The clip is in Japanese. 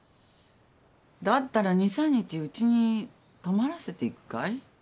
だったら２３日うちに泊まらせていくかい？